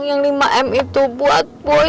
yang lima m itu buat boy